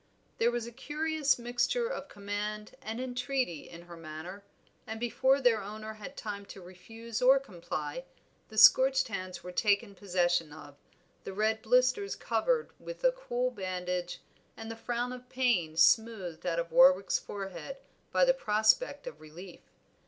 There was a curious mixture of command and entreaty in her manner, and before their owner had time to refuse or comply, the scorched hands were taken possession of, the red blisters covered with a cool bandage, and the frown of pain smoothed out of Warwick's forehead by the prospect of relief.